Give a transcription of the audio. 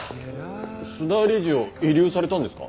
須田理事を慰留されたんですか？